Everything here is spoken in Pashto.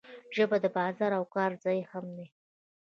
ژبه د بازار او کار ځای هم ده.